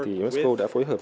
thì unesco đã phối hợp